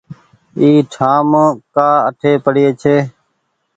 اي ٺآم ڪآ اٺي پڙيي ڇي